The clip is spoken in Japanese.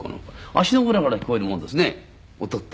足の裏から聞こえるもんですね音って。